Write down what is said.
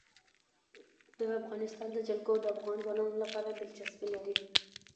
د افغانستان جلکو د افغان ځوانانو لپاره دلچسپي لري.